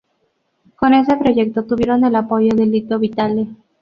Con este proyecto tuvieron el apoyo de Lito Vitale.